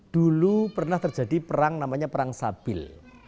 dulu pernah terjadi perang namanya perang sabil